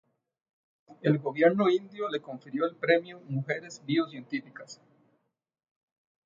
El gobierno indio le confirió el Premio Mujeres Bio-científicas.